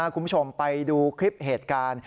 คุณผู้ชมไปดูคลิปเหตุการณ์